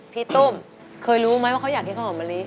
พี่ตุ้มเคยรู้ไหมว่าเขาอยากกินข้าวหอมมะลิ